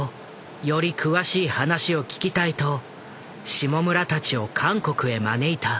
より詳しい話を聞きたいと下村たちを韓国へ招いた。